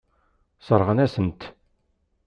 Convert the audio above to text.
Sseṛɣen-asen-t.